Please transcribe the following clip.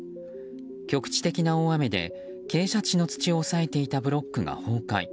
局地的な大雨で傾斜地の土を押さえていたブロックが崩壊。